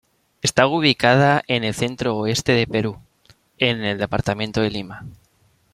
Está ubicada en el centro-oeste del Perú, en el Departamento de Lima.